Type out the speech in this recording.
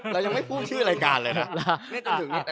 เรายังไม่พูดชื่อรายการเลยนะ